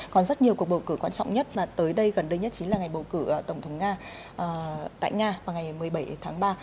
còn rất nhiều cuộc bầu cử quan trọng nhất mà tới đây gần đây nhất chính là ngày bầu cử tổng thống nga tại nga vào ngày một mươi bảy tháng ba